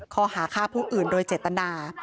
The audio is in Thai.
ข้อหาฆ่าผู้อื่นโดยเจตนา